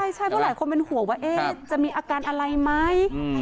ใช่เพราะหลายคนเป็นห่วงว่าจะมีอาการอะไรไหม